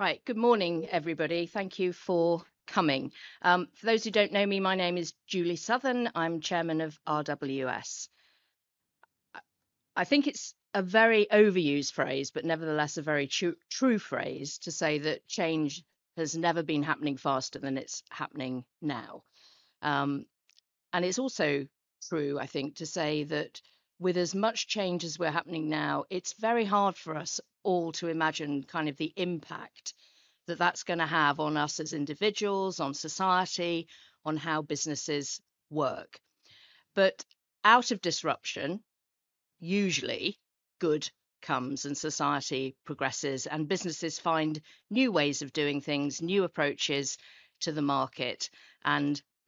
Right, good morning, everybody. Thank you for coming. For those who don't know me, my name is Julie Southern. I'm Chairman of RWS. I think it's a very overused phrase, but nevertheless a very true, true phrase to say that change has never been happening faster than it's happening now. It's also true, I think, to say that with as much change as we're happening now, it's very hard for us all to imagine kind of the impact that that's going to have on us as individuals, on society, on how businesses work. Out of disruption, usually good comes and society progresses, and businesses find new ways of doing things, new approaches to the market,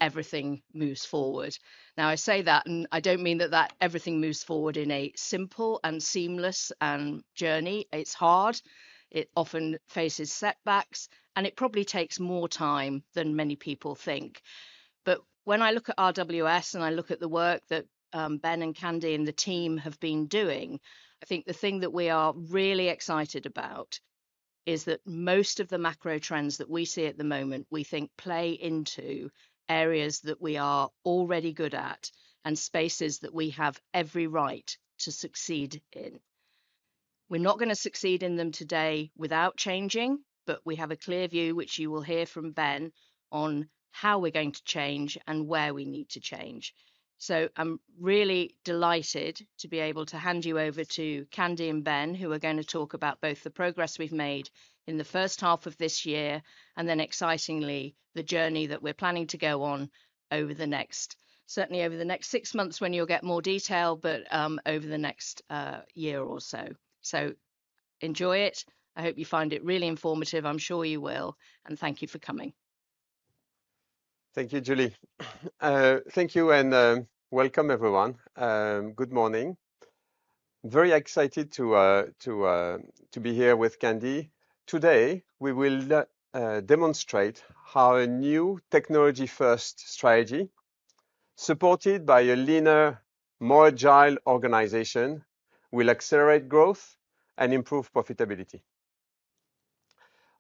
and everything moves forward. Now, I say that, and I don't mean that everything moves forward in a simple and seamless journey. It's hard. It often faces setbacks, and it probably takes more time than many people think. When I look at RWS and I look at the work that Ben and Candy and the team have been doing, I think the thing that we are really excited about is that most of the macro trends that we see at the moment, we think play into areas that we are already good at and spaces that we have every right to succeed in. We're not going to succeed in them today without changing, but we have a clear view, which you will hear from Ben, on how we're going to change and where we need to change. I'm really delighted to be able to hand you over to Candy and Ben, who are going to talk about both the progress we've made in the first half of this year and then, excitingly, the journey that we're planning to go on over the next, certainly over the next six months when you'll get more detail, but, over the next year or so. Enjoy it. I hope you find it really informative. I'm sure you will. Thank you for coming. Thank you, Julie. Thank you and welcome everyone. Good morning. Very excited to be here with Candy. Today we will demonstrate how a new technology-first strategy supported by a leaner, more agile organization will accelerate growth and improve profitability.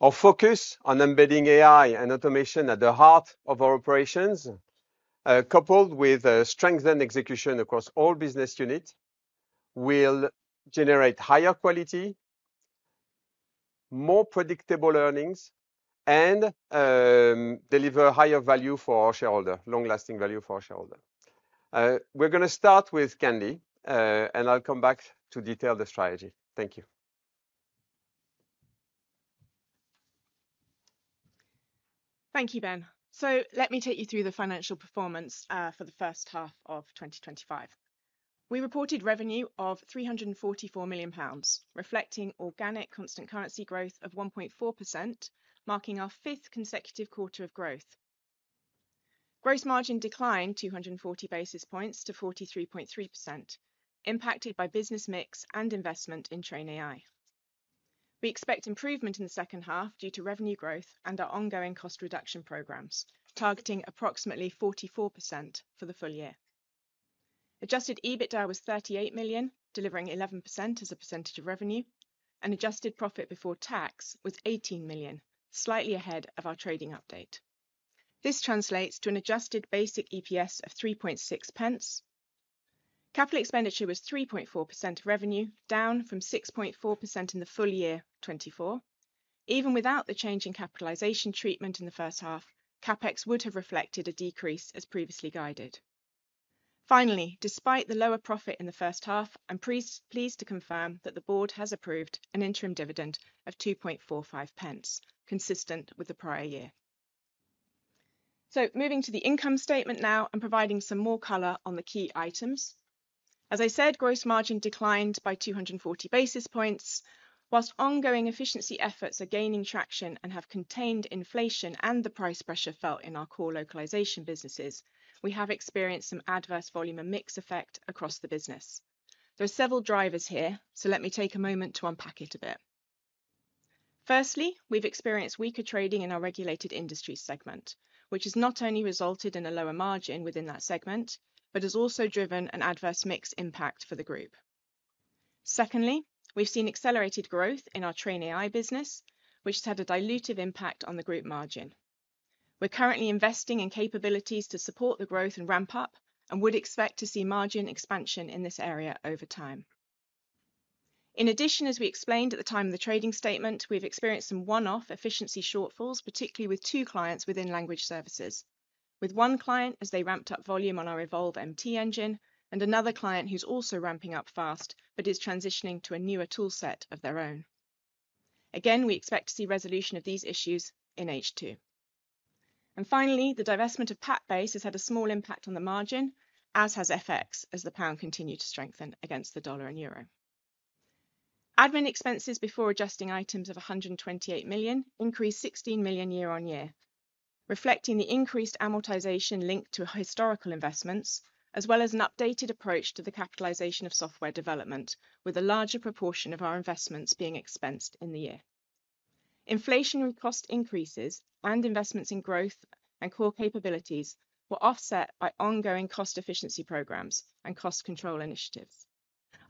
Our focus on embedding AI and automation at the heart of our operations, coupled with strengthened execution across all business units, will generate higher quality, more predictable earnings, and deliver higher value for our shareholder, long-lasting value for our shareholder. We're going to start with Candy, and I'll come back to detail the strategy. Thank you. Thank you, Ben. Let me take you through the financial performance for the first half of 2025. We reported revenue of 344 million pounds, reflecting organic constant currency growth of 1.4%, marking our fifth consecutive quarter of growth. Gross margin declined 240 basis points to 43.3%, impacted by business mix and investment in TrainAI. We expect improvement in the second half due to revenue growth and our ongoing cost reduction programs targeting approximately 44% for the full year. Adjusted EBITDA was 38 million, delivering 11% as a percentage of revenue, and adjusted profit before tax was 18 million, slightly ahead of our trading update. This translates to an adjusted basic EPS of 3.6 pence. Capital expenditure was 3.4% of revenue, down from 6.4% in the full year 2024. Even without the change in capitalization treatment in the first half, CapEx would have reflected a decrease as previously guided. Finally, despite the lower profit in the first half, I'm pleased to confirm that the board has approved an interim dividend of 2.45, consistent with the prior year. Moving to the income statement now and providing some more color on the key items. As I said, gross margin declined by 240 basis points. Whilst ongoing efficiency efforts are gaining traction and have contained inflation and the price pressure felt in our core localization businesses, we have experienced some adverse volume and mix effect across the business. There are several drivers here, so let me take a moment to unpack it a bit. Firstly, we've experienced weaker trading in our regulated industry segment, which has not only resulted in a lower margin within that segment, but has also driven an adverse mix impact for the group. Secondly, we've seen accelerated growth in our TrainAI business, which has had a dilutive impact on the group margin. We're currently investing in capabilities to support the growth and ramp up, and would expect to see margin expansion in this area over time. In addition, as we explained at the time of the trading statement, we've experienced some one-off efficiency shortfalls, particularly with two clients within language services, with one client as they ramped up volume on our Evolve MT engine and another client who's also ramping up fast, but is transitioning to a newer toolset of their own. We expect to see resolution of these issues in H2. Finally, the divestment of PatBase has had a small impact on the margin, as has FX, as the pound continued to strengthen against the dollar and euro. Admin expenses before adjusting items of 128 million increased 16 million year-on-year, reflecting the increased amortization linked to historical investments, as well as an updated approach to the capitalization of software development, with a larger proportion of our investments being expensed in the year. Inflationary cost increases and investments in growth and core capabilities were offset by ongoing cost efficiency programs and cost control initiatives.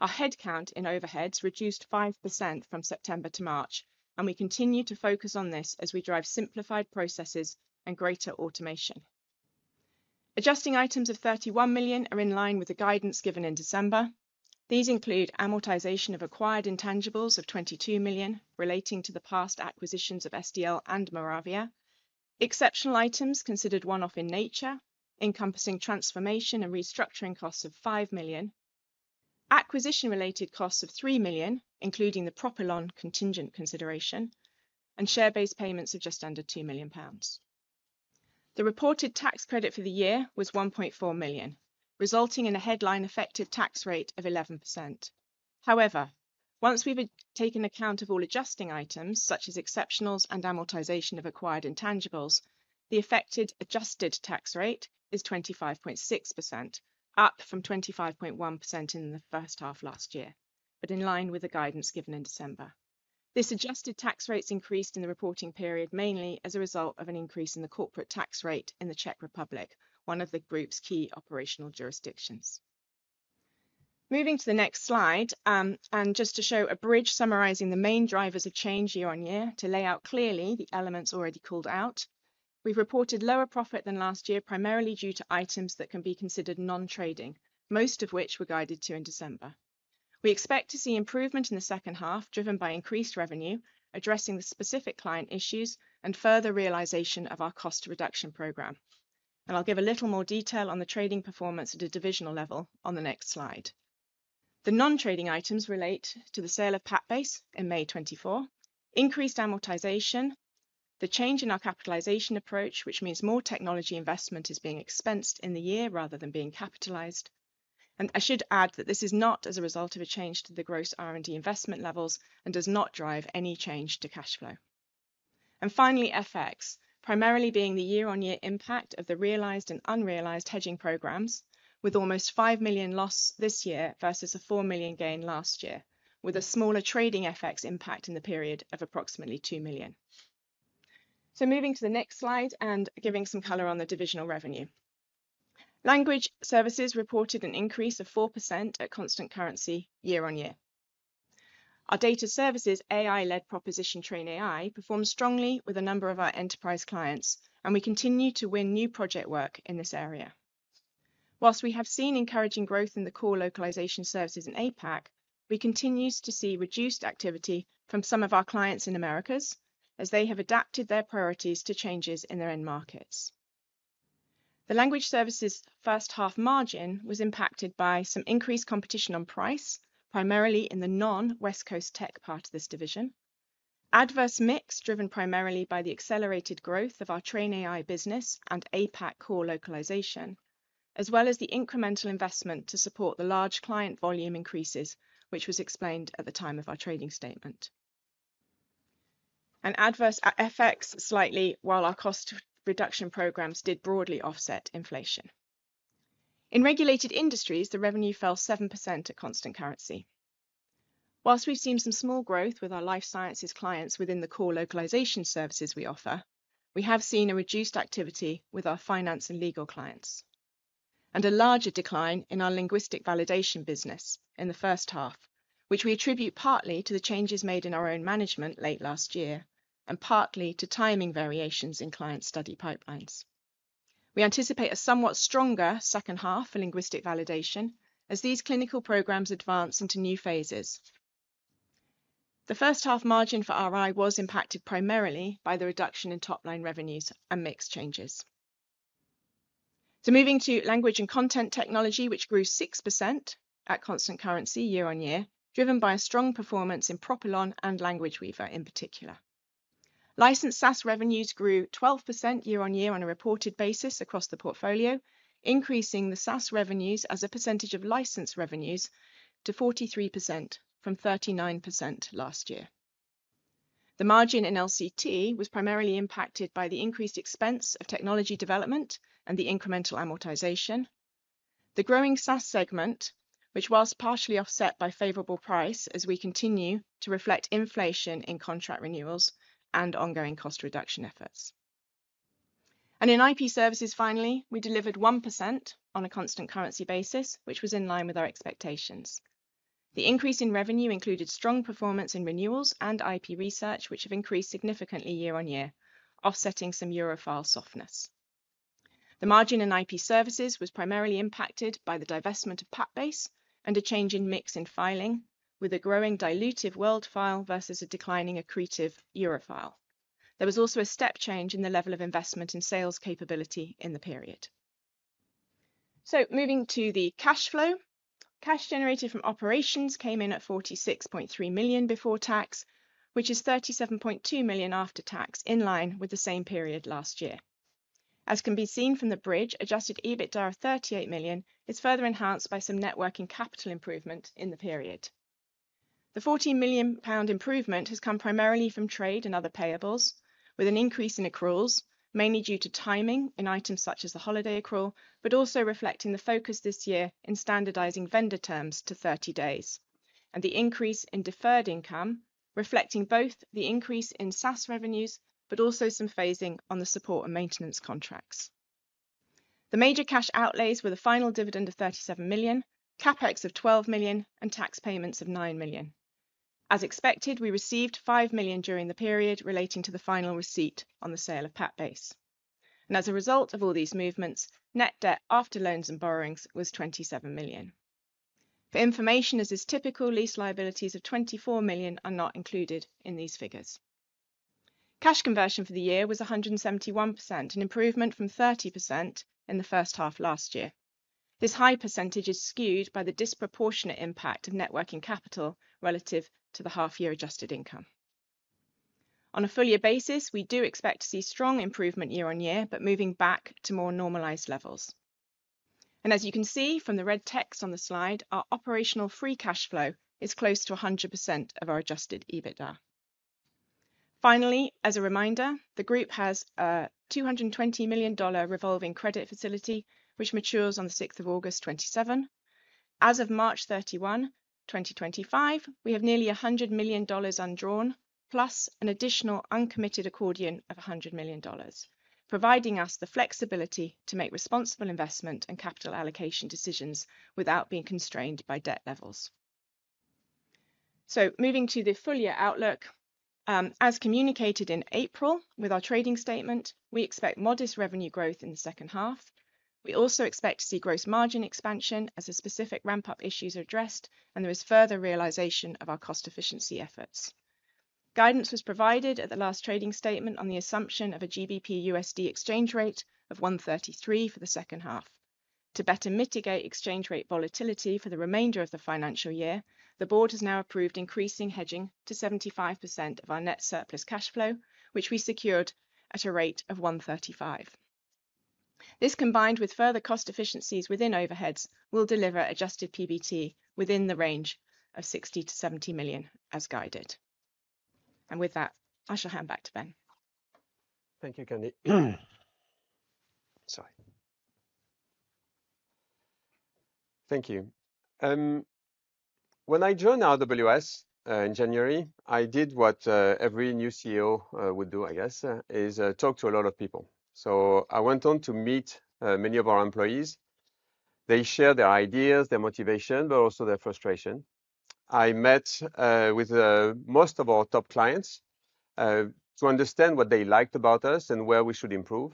Our headcount in overheads reduced 5% from September to March, and we continue to focus on this as we drive simplified processes and greater automation. Adjusting items of 31 million are in line with the guidance given in December. These include amortization of acquired intangibles of 22 million relating to the past acquisitions of SDL and Moravia, exceptional items considered one-off in nature, encompassing transformation and restructuring costs of 5 million, acquisition-related costs of 3 million, including the Propylon contingent consideration, and share-based payments of just under 2 million pounds. The reported tax credit for the year was 1.4 million, resulting in a headline effective tax rate of 11%. However, once we've taken account of all adjusting items, such as exceptionals and amortization of acquired intangibles, the affected adjusted tax rate is 25.6%, up from 25.1% in the first half last year, but in line with the guidance given in December. This adjusted tax rate's increased in the reporting period mainly as a result of an increase in the corporate tax rate in the Czech Republic, one of the group's key operational jurisdictions. Moving to the next slide, just to show a bridge summarizing the main drivers of change year-on-year to lay out clearly the elements already called out, we've reported lower profit than last year, primarily due to items that can be considered non-trading, most of which were guided to in December. We expect to see improvement in the second half driven by increased revenue, addressing the specific client issues and further realization of our cost reduction program. I'll give a little more detail on the trading performance at a divisional level on the next slide. The non-trading items relate to the sale of PatBase in May 2024, increased amortization, the change in our capitalization approach, which means more technology investment is being expensed in the year rather than being capitalized. I should add that this is not as a result of a change to the gross R&D investment levels and does not drive any change to cash flow. Finally, FX, primarily being the year-on-year impact of the realized and unrealized hedging programs, with almost 5 million loss this year versus a 4 million gain last year, with a smaller trading FX impact in the period of approximately 2 million. Moving to the next slide and giving some color on the divisional revenue. Language services reported an increase of 4% at constant currency year-on-year. Our data services, AI-led proposition TrainAI, performed strongly with a number of our enterprise clients, and we continue to win new project work in this area. Whilst we have seen encouraging growth in the core localization services and APAC, we continue to see reduced activity from some of our clients in Americas as they have adapted their priorities to changes in their end markets. The language services first half margin was impacted by some increased competition on price, primarily in the non-West Coast tech part of this division. Adverse mix driven primarily by the accelerated growth of our TrainAI business and APAC core localization, as well as the incremental investment to support the large client volume increases, which was explained at the time of our trading statement. Adverse FX slightly, while our cost reduction programs did broadly offset inflation. In regulated industries, the revenue fell 7% at constant currency. Whilst we've seen some small growth with our life sciences clients within the core localization services we offer, we have seen reduced activity with our finance and legal clients, and a larger decline in our linguistic validation business in the first half, which we attribute partly to the changes made in our own management late last year and partly to timing variations in client study pipelines. We anticipate a somewhat stronger second half for linguistic validation as these clinical programs advance into new phases. The first half margin for RI was impacted primarily by the reduction in top line revenues and mix changes. Moving to language and content technology, which grew 6% at constant currency year-on-year, driven by a strong performance in Propylon and Language Weaver in particular. Licensed SaaS revenues grew 12% year-on-year on a reported basis across the portfolio, increasing the SaaS revenues as a percentage of licensed revenues to 43% from 39% last year. The margin in LCT was primarily impacted by the increased expense of technology development and the incremental amortization, the growing SaaS segment, which was partially offset by favorable price as we continue to reflect inflation in contract renewals and ongoing cost reduction efforts. In IP services, finally, we delivered 1% on a constant currency basis, which was in line with our expectations. The increase in revenue included strong performance in renewals and IP research, which have increased significantly year-on-year, offsetting some Eurofile softness. The margin in IP services was primarily impacted by the divestment of PatBase and a change in mix in filing, with a growing dilutive world file versus a declining accretive Eurofile. There was also a step change in the level of investment in sales capability in the period. Moving to the cash flow, cash generated from operations came in at 46.3 million before tax, which is 37.2 million after tax in line with the same period last year. As can be seen from the bridge, adjusted EBITDA of 38 million is further enhanced by some net working capital improvement in the period. The 14 million pound improvement has come primarily from trade and other payables, with an increase in accruals, mainly due to timing in items such as the holiday accrual, but also reflecting the focus this year in standardizing vendor terms to 30 days, and the increase in deferred income, reflecting both the increase in SaaS revenues, but also some phasing on the support and maintenance contracts. The major cash outlays were the final dividend of 37 million, CapEx of 12 million, and tax payments of 9 million. As expected, we received 5 million during the period relating to the final receipt on the sale of PatBase. As a result of all these movements, net debt after loans and borrowings was 27 million. For information, as is typical, lease liabilities of 24 million are not included in these figures. Cash conversion for the year was 171%, an improvement from 30% in the first half last year. This high percentage is skewed by the disproportionate impact of networking capital relative to the half-year adjusted income. On a full year basis, we do expect to see strong improvement year-on-year, but moving back to more normalized levels. As you can see from the red text on the slide, our operational free cash flow is close to 100% of our adjusted EBITDA. Finally, as a reminder, the group has a $220 million revolving credit facility, which matures on the 6th of August 2027. As of March 31, 2025, we have nearly $100 million undrawn, plus an additional uncommitted accordion of $100 million, providing us the flexibility to make responsible investment and capital allocation decisions without being constrained by debt levels. Moving to the full year outlook, as communicated in April with our trading statement, we expect modest revenue growth in the second half. We also expect to see gross margin expansion as specific ramp-up issues are addressed, and there is further realization of our cost efficiency efforts. Guidance was provided at the last trading statement on the assumption of a GBP/USD exchange rate of 1.33 for the second half. To better mitigate exchange rate volatility for the remainder of the financial year, the board has now approved increasing hedging to 75% of our net surplus cash flow, which we secured at a rate of 1.35. This, combined with further cost efficiencies within overheads, will deliver adjusted PBT within the range of 60 million-70 million as guided. I shall hand back to Ben. Thank you, Candy. Sorry. Thank you. When I joined RWS in January, I did what every new CEO would do, I guess, is talk to a lot of people. I went on to meet many of our employees. They share their ideas, their motivation, but also their frustration. I met with most of our top clients to understand what they liked about us and where we should improve.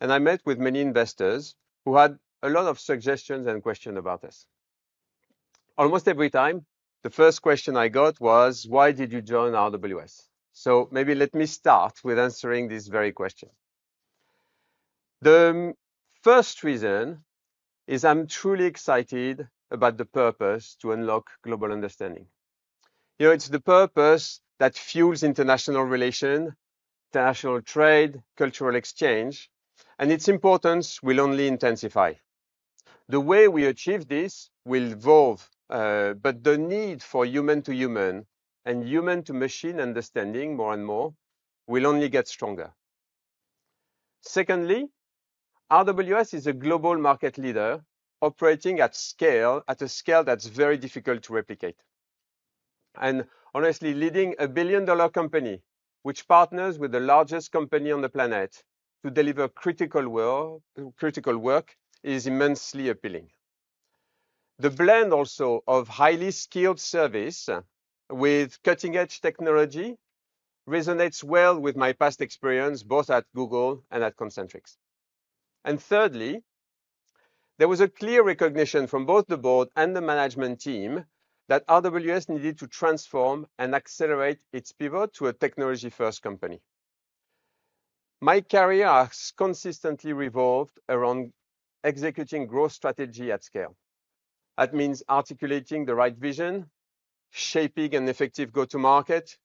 I met with many investors who had a lot of suggestions and questions about us. Almost every time, the first question I got was, "Why did you join RWS?" Maybe let me start with answering this very question. The first reason is I'm truly excited about the purpose to unlock global understanding. You know, it's the purpose that fuels international relations, international trade, cultural exchange, and its importance will only intensify. The way we achieve this will evolve, but the need for human-to-human and human-to-machine understanding more and more will only get stronger. Secondly, RWS is a global market leader operating at scale, at a scale that's very difficult to replicate. Honestly, leading a billion-dollar company, which partners with the largest company on the planet to deliver critical work, is immensely appealing. The blend also of highly skilled service with cutting-edge technology resonates well with my past experience both at Google and at Concentrix. Thirdly, there was a clear recognition from both the board and the management team that RWS needed to transform and accelerate its pivot to a technology-first company. My career has consistently revolved around executing growth strategy at scale. That means articulating the right vision, shaping an effective go-to-market,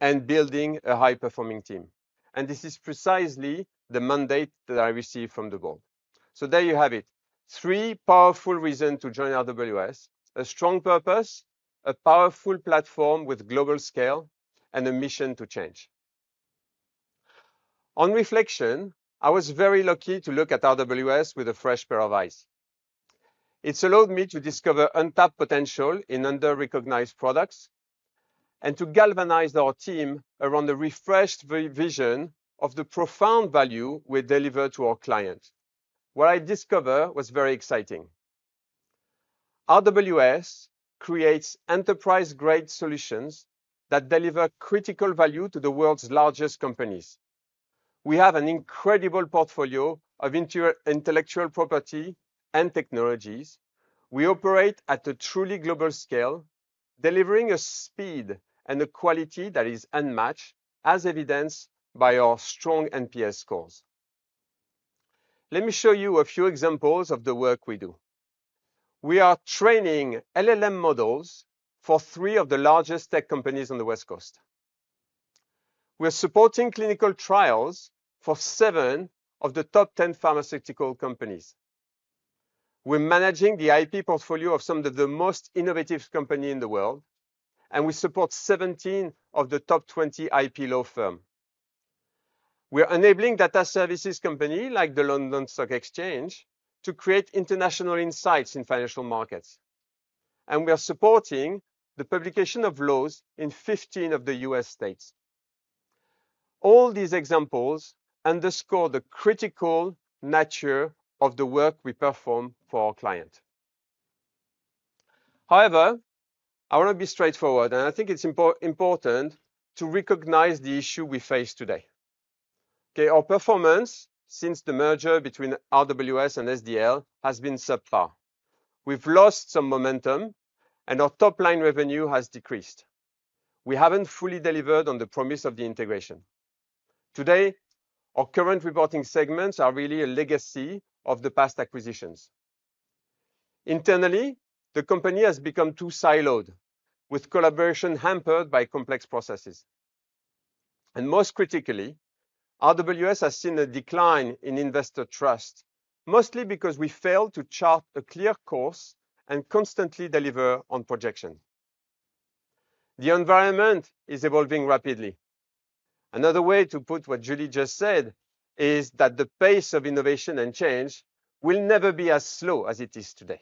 and building a high-performing team. This is precisely the mandate that I received from the board. There you have it. Three powerful reasons to join RWS: a strong purpose, a powerful platform with global scale, and a mission to change. On reflection, I was very lucky to look at RWS with a fresh pair of eyes. It's allowed me to discover untapped potential in under-recognized products and to galvanize our team around a refreshed vision of the profound value we deliver to our clients. What I discovered was very exciting. RWS creates enterprise-grade solutions that deliver critical value to the world's largest companies. We have an incredible portfolio of intellectual property and technologies. We operate at a truly global scale, delivering a speed and a quality that is unmatched, as evidenced by our strong NPS scores. Let me show you a few examples of the work we do. We are training LLM models for three of the largest tech companies on the West Coast. We're supporting clinical trials for seven of the top 10 pharmaceutical companies. We're managing the IP portfolio of some of the most innovative companies in the world, and we support 17 of the top 20 IP law firms. We're enabling data services companies like the London Stock Exchange to create international insights in financial markets. We're supporting the publication of laws in 15 of the U.S. states. All these examples underscore the critical nature of the work we perform for our clients. However, I want to be straightforward, and I think it's important to recognize the issue we face today. Okay, our performance since the merger between RWS and SDL has been subpar. We've lost some momentum, and our top-line revenue has decreased. We haven't fully delivered on the promise of the integration. Today, our current reporting segments are really a legacy of the past acquisitions. Internally, the company has become too siloed, with collaboration hampered by complex processes. Most critically, RWS has seen a decline in investor trust, mostly because we failed to chart a clear course and constantly deliver on projections. The environment is evolving rapidly. Another way to put what Julie just said is that the pace of innovation and change will never be as slow as it is today.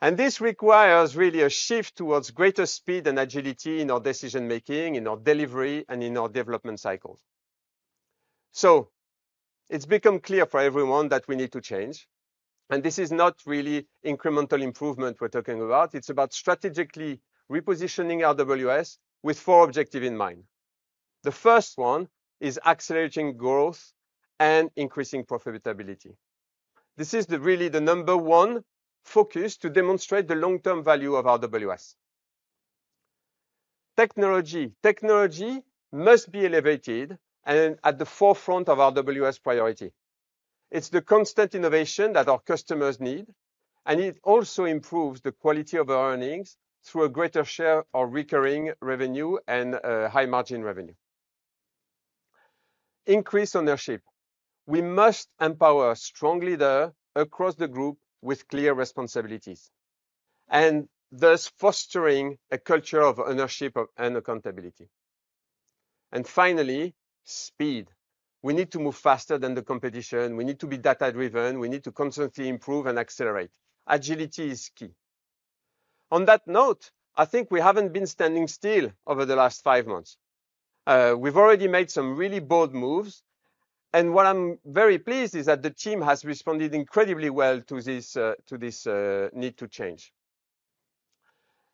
This requires really a shift towards greater speed and agility in our decision-making, in our delivery, and in our development cycles. It has become clear for everyone that we need to change. This is not really incremental improvement we're talking about. It's about strategically repositioning RWS with four objectives in mind. The first one is accelerating growth and increasing profitability. This is really the number one focus to demonstrate the long-term value of RWS. Technology must be elevated and at the forefront of RWS priority. It's the constant innovation that our customers need, and it also improves the quality of our earnings through a greater share of recurring revenue and high-margin revenue. Increase ownership. We must empower strong leaders across the group with clear responsibilities, and thus fostering a culture of ownership and accountability. Finally, speed. We need to move faster than the competition. We need to be data-driven. We need to constantly improve and accelerate. Agility is key. On that note, I think we haven't been standing still over the last five months. We've already made some really bold moves, and what I'm very pleased is that the team has responded incredibly well to this need to change.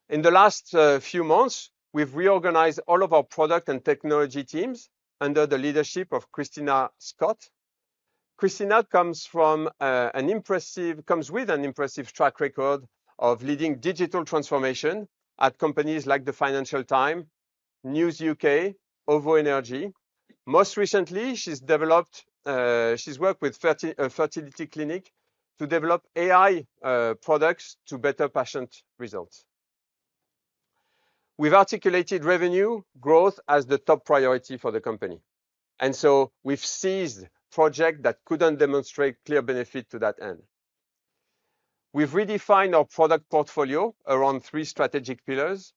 In the last few months, we've reorganized all of our product and technology teams under the leadership of Christina Scott. Christina comes with an impressive track record of leading digital transformation at companies like the Financial Times, News UK, OVO Energy. Most recently, she's worked with a fertility clinic to develop AI products to better patient results. We've articulated revenue growth as the top priority for the company. We've seized projects that couldn't demonstrate clear benefit to that end. We've redefined our product portfolio around three strategic pillars,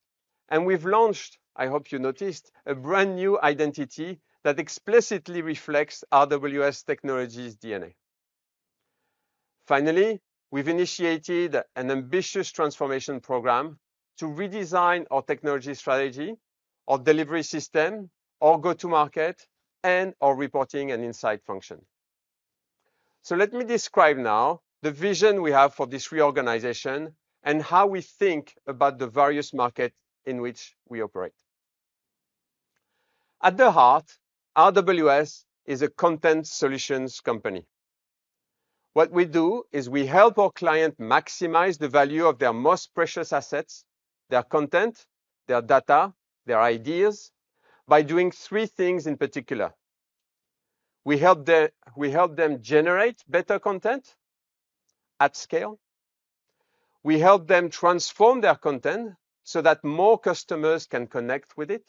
and we've launched, I hope you noticed, a brand new identity that explicitly reflects RWS Technologies' DNA. Finally, we've initiated an ambitious transformation program to redesign our technology strategy, our delivery system, our go-to-market, and our reporting and insight function. Let me describe now the vision we have for this reorganization and how we think about the various markets in which we operate. At the heart, RWS is a content solutions company. What we do is we help our clients maximize the value of their most precious assets, their content, their data, their ideas, by doing three things in particular. We help them generate better content at scale. We help them transform their content so that more customers can connect with it.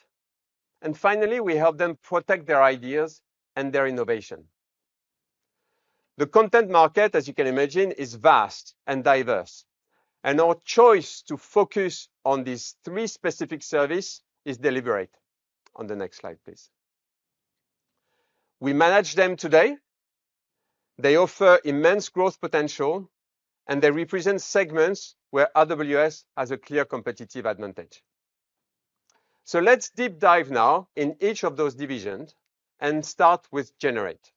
Finally, we help them protect their ideas and their innovation. The content market, as you can imagine, is vast and diverse. Our choice to focus on these three specific services is deliberate. On the next slide, please. We manage them today. They offer immense growth potential, and they represent segments where RWS has a clear competitive advantage. Let's deep dive now in each of those divisions and start with Generate.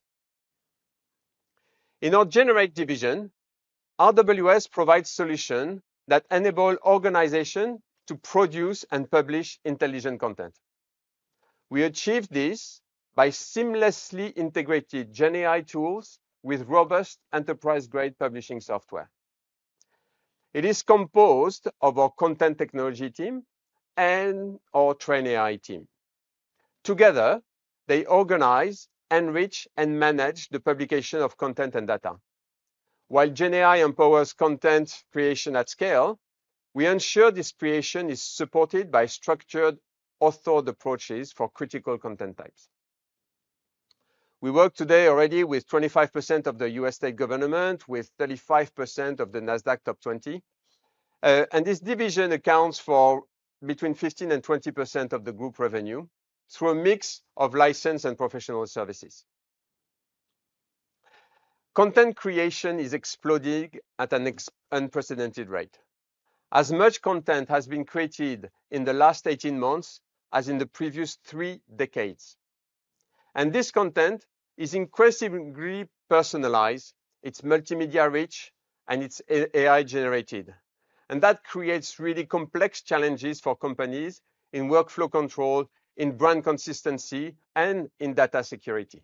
In our Generate division, RWS provides solutions that enable organizations to produce and publish intelligent content. We achieve this by seamlessly integrating GenAI tools with robust enterprise-grade publishing software. It is composed of our content technology team and our TrainAI team. Together, they organize, enrich, and manage the publication of content and data. While GenAI empowers content creation at scale, we ensure this creation is supported by structured, authored approaches for critical content types. We work today already with 25% of the U.S. state government, with 35% of the NASDAQ top 20. This division accounts for between 15%-20% of the group revenue through a mix of licensed and professional services. Content creation is exploding at an unprecedented rate. As much content has been created in the last 18 months as in the previous three decades. This content is increasingly personalized, it is multimedia rich, and it is AI-generated. That creates really complex challenges for companies in workflow control, in brand consistency, and in data security.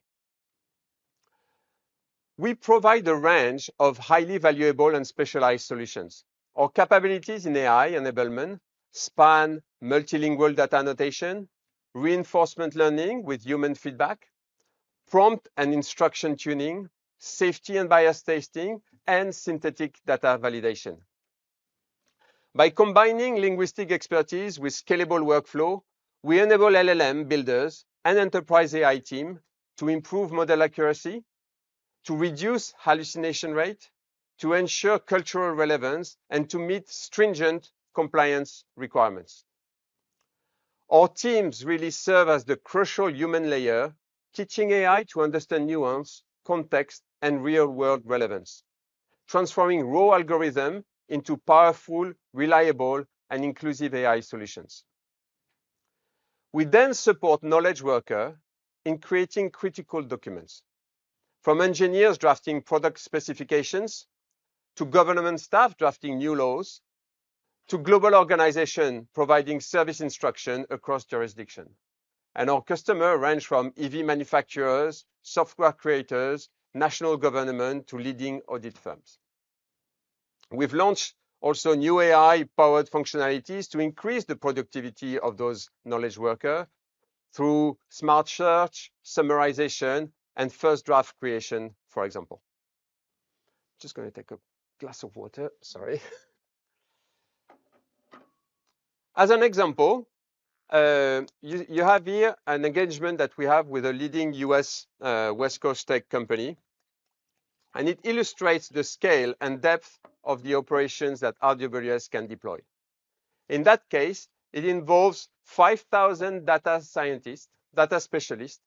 We provide a range of highly valuable and specialized solutions. Our capabilities in AI enablement span multilingual data annotation, reinforcement learning with human feedback, prompt and instruction tuning, safety and bias testing, and synthetic data validation. By combining linguistic expertise with scalable workflow, we enable LLM builders and enterprise AI teams to improve model accuracy, to reduce hallucination rate, to ensure cultural relevance, and to meet stringent compliance requirements. Our teams really serve as the crucial human layer, teaching AI to understand nuance, context, and real-world relevance, transforming raw algorithms into powerful, reliable, and inclusive AI solutions. We then support knowledge workers in creating critical documents, from engineers drafting product specifications to government staff drafting new laws to global organizations providing service instruction across jurisdictions. Our customers range from EV manufacturers, software creators, national government, to leading audit firms. We have launched also new AI-powered functionalities to increase the productivity of those knowledge workers through smart search, summarization, and first draft creation, for example. I am just going to take a glass of water. Sorry. As an example, you have here an engagement that we have with a leading U.S. West Coast tech company. It illustrates the scale and depth of the operations that RWS can deploy. In that case, it involves 5,000 data scientists, data specialists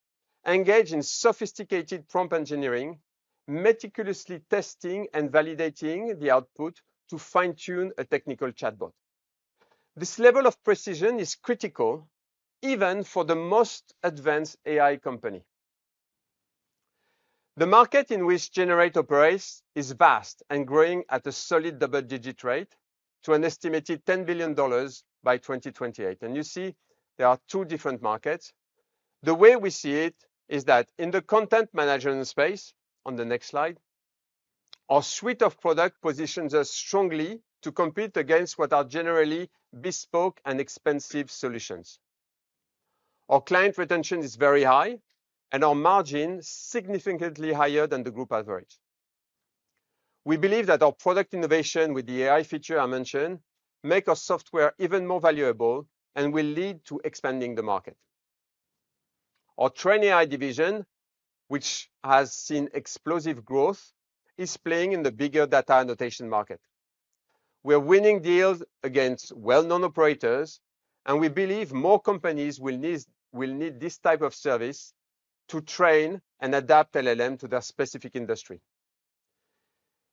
engaged in sophisticated prompt engineering, meticulously testing and validating the output to fine-tune a technical chatbot. This level of precision is critical even for the most advanced AI company. The market in which GenAI operates is vast and growing at a solid double-digit rate to an estimated $10 billion by 2028. You see there are two different markets. The way we see it is that in the content management space, on the next slide, our suite of products positions us strongly to compete against what are generally bespoke and expensive solutions. Our client retention is very high, and our margin is significantly higher than the group average. We believe that our product innovation with the AI feature I mentioned makes our software even more valuable and will lead to expanding the market. Our TrainAI division, which has seen explosive growth, is playing in the bigger data annotation market. We're winning deals against well-known operators, and we believe more companies will need this type of service to train and adapt LLMs to their specific industry.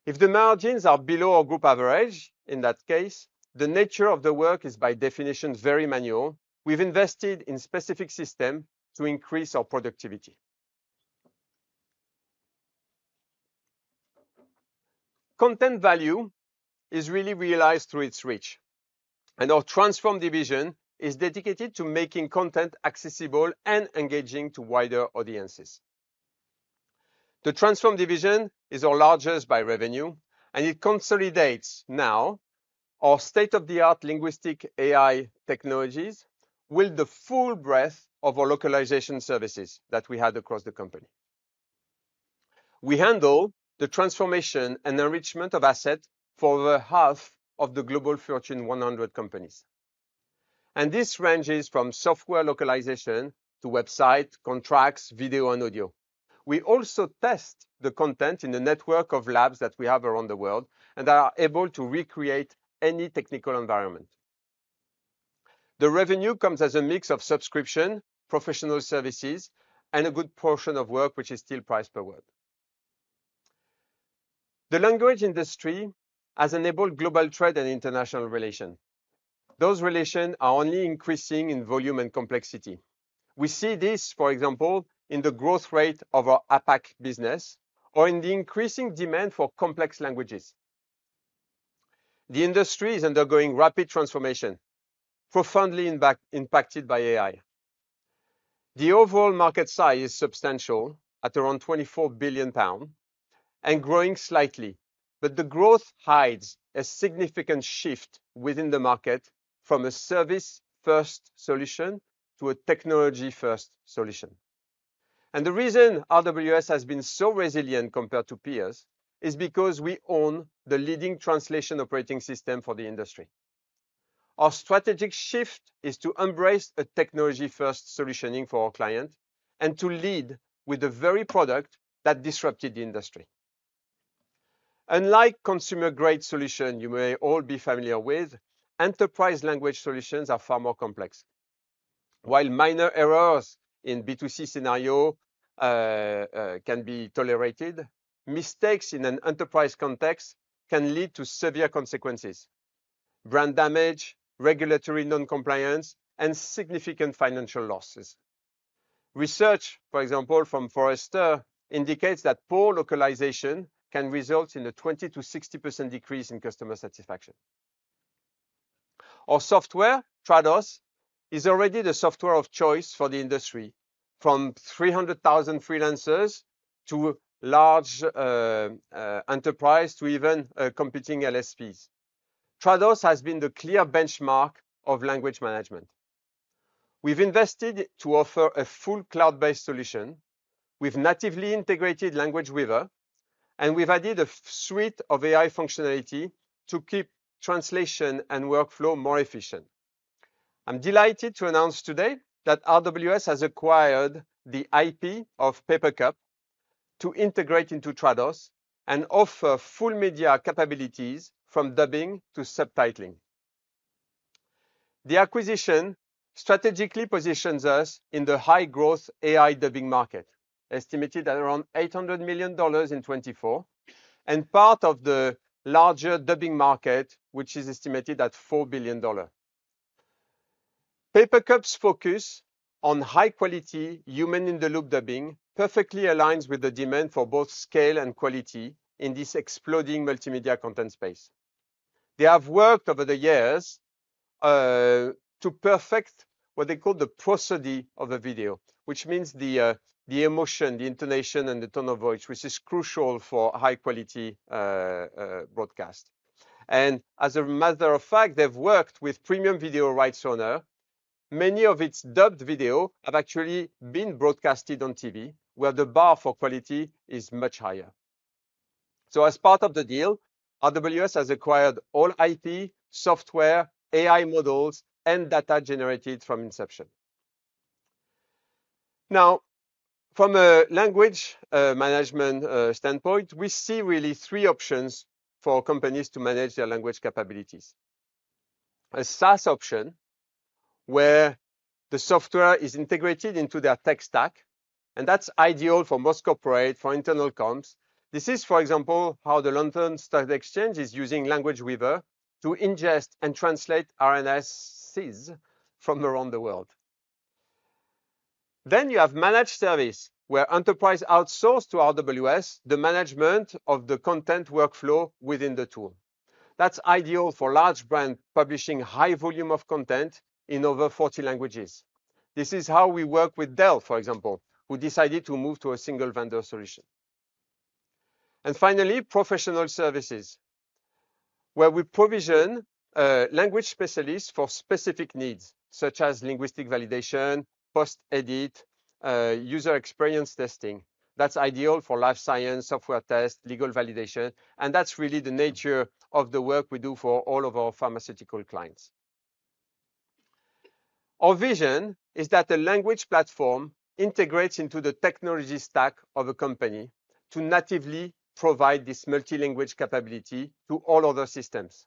If the margins are below our group average, in that case, the nature of the work is by definition very manual. We've invested in specific systems to increase our productivity. Content value is really realized through its reach. Our transform division is dedicated to making content accessible and engaging to wider audiences. The transform division is our largest by revenue, and it consolidates now our state-of-the-art linguistic AI technologies with the full breadth of our localization services that we had across the company. We handle the transformation and enrichment of assets for over half of the Global Fortune 100 companies. This ranges from software localization to website, contracts, video, and audio. We also test the content in the network of labs that we have around the world and are able to recreate any technical environment. The revenue comes as a mix of subscription, professional services, and a good portion of work, which is still priced per word. The language industry has enabled global trade and international relations. Those relations are only increasing in volume and complexity. We see this, for example, in the growth rate of our APAC business or in the increasing demand for complex languages. The industry is undergoing rapid transformation, profoundly impacted by AI. The overall market size is substantial at around 24 billion pounds and growing slightly, but the growth hides a significant shift within the market from a service-first solution to a technology-first solution. The reason RWS has been so resilient compared to peers is because we own the leading translation operating system for the industry. Our strategic shift is to embrace a technology-first solution for our clients and to lead with the very product that disrupted the industry. Unlike consumer-grade solutions you may all be familiar with, enterprise language solutions are far more complex. While minor errors in B2C scenarios can be tolerated, mistakes in an enterprise context can lead to severe consequences: brand damage, regulatory non-compliance, and significant financial losses. Research, for example, from Forrester indicates that poor localization can result in a 20%-60% decrease in customer satisfaction. Our software, Trados, is already the software of choice for the industry, from 300,000 freelancers to large enterprises to even competing LSPs. Trados has been the clear benchmark of language management. We've invested to offer a full cloud-based solution with natively integrated Language Weaver, and we've added a suite of AI functionality to keep translation and workflow more efficient. I'm delighted to announce today that RWS has acquired the IP of Papercup to integrate into Trados and offer full media capabilities from dubbing to subtitling. The acquisition strategically positions us in the high-growth AI dubbing market, estimated at around $800 million in 2024, and part of the larger dubbing market, which is estimated at $4 billion. Papercup's focus on high-quality human-in-the-loop dubbing perfectly aligns with the demand for both scale and quality in this exploding multimedia content space. They have worked over the years to perfect what they call the prosody of a video, which means the emotion, the intonation, and the tone of voice, which is crucial for high-quality broadcast. As a matter of fact, they have worked with premium video rights owners. Many of its dubbed videos have actually been broadcast on TV, where the bar for quality is much higher. As part of the deal, RWS has acquired all IP, software, AI models, and data generated from inception. Now, from a language management standpoint, we see really three options for companies to manage their language capabilities. A SaaS option where the software is integrated into their tech stack, and that's ideal for most corporate, for internal comps. This is, for example, how the London Stock Exchange is using Language Weaver to ingest and translate RNSCs from around the world. Then you have managed service, where enterprise outsource to RWS the management of the content workflow within the tool. That's ideal for large brands publishing high volume of content in over 40 languages. This is how we work with Dell, for example, who decided to move to a single vendor solution. Finally, professional services, where we provision language specialists for specific needs, such as linguistic validation, post-edit, user experience testing. That's ideal for life science, software tests, legal validation. That is really the nature of the work we do for all of our pharmaceutical clients. Our vision is that a language platform integrates into the technology stack of a company to natively provide this multilingual capability to all other systems.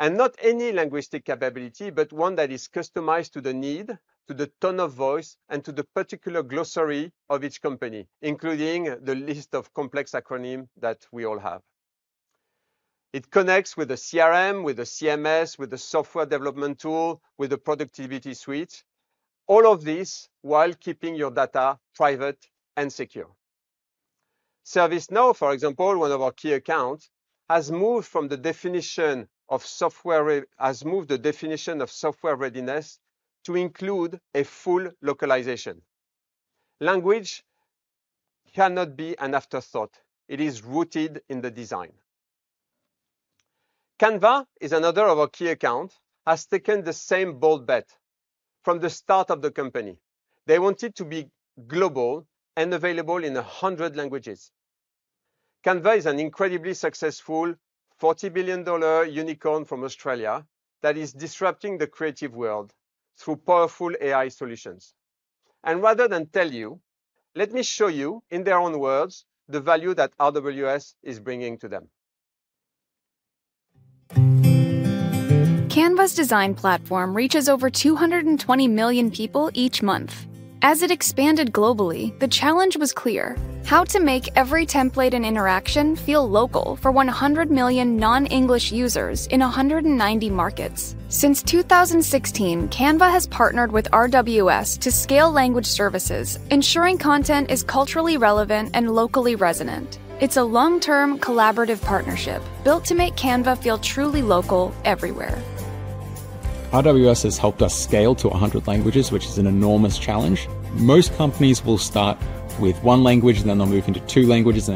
Not any linguistic capability, but one that is customized to the need, to the tone of voice, and to the particular glossary of each company, including the list of complex acronyms that we all have. It connects with a CRM, with a CMS, with a software development tool, with a productivity suite. All of this while keeping your data private and secure. ServiceNow, for example, one of our key accounts, has moved from the definition of software readiness to include a full localization. Language cannot be an afterthought. It is rooted in the design. Canva, as another of our key accounts, has taken the same bold bet from the start of the company. They wanted to be global and available in 100 languages. Canva is an incredibly successful 40 billion dollar unicorn from Australia that is disrupting the creative world through powerful AI solutions. Rather than tell you, let me show you in their own words the value that RWS is bringing to them. [audio plays Canva representative highlighting Canva's global reach of over 220 million monthly users, it's partnership with RWS since 2016 to deliver culturally relevant and localized experiences] [audio plays about Canva representatives describing how Canva expanded to 100 languages, emphasizing RWS's adaptability and support in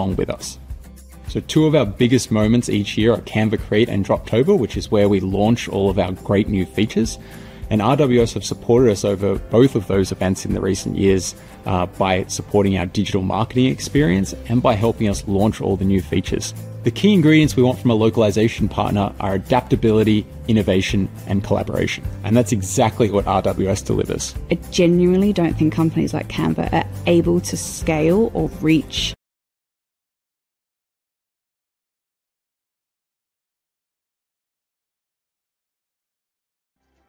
major events like Canva Create and Droptober, and highlighting RWS's role in providing innovation, collaboration, and localization expertise] [audio plays about Canva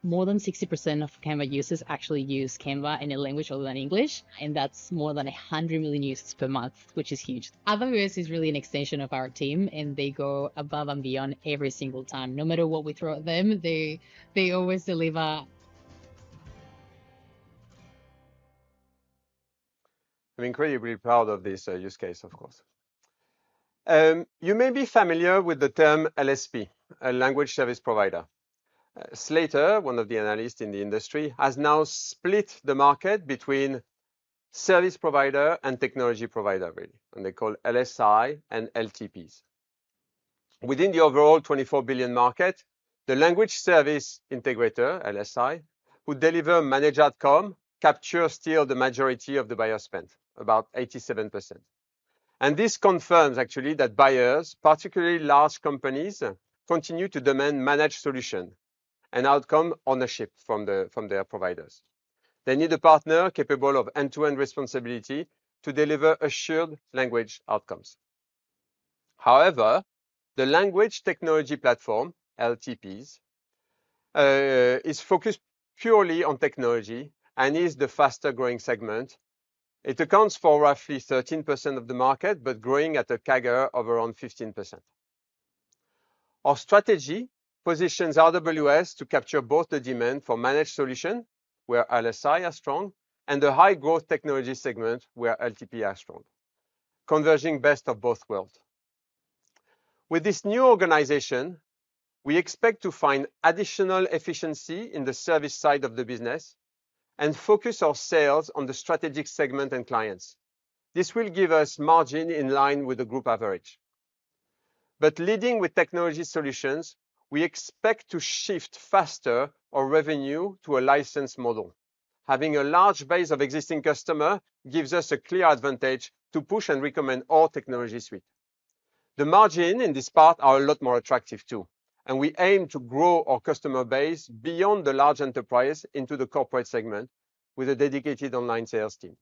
representative emphasizing that over 100 million users access Canva in non-English languages and highlighting RWS as an adaptable extension of Canva's team that consistently delivers] [audio plays continuation of Canva representative] You may be familiar with the term LSP, a language service provider. Slator, one of the analysts in the industry, has now split the market between service provider and technology provider, really, and they're called LSI and LTPs. Within the overall $24 billion market, the language service integrator, LSI, would deliver managed outcomes, capturing still the majority of the buyer spend, about 87%. This confirms actually that buyers, particularly large companies, continue to demand managed solutions and outcome ownership from their providers. They need a partner capable of end-to-end responsibility to deliver assured language outcomes. However, the language technology platform, LTPs, is focused purely on technology and is the fastest growing segment. It accounts for roughly 13% of the market, but growing at a CAGR of around 15%. Our strategy positions RWS to capture both the demand for managed solutions, where LSI are strong, and the high-growth technology segments, where LTPs are strong, converging best of both worlds. With this new organization, we expect to find additional efficiency in the service side of the business and focus our sales on the strategic segments and clients. This will give us margin in line with the group average. Leading with technology solutions, we expect to shift faster our revenue to a licensed model. Having a large base of existing customers gives us a clear advantage to push and recommend our technology suite. The margin in this part is a lot more attractive too, and we aim to grow our customer base beyond the large enterprise into the corporate segment with a dedicated online sales team.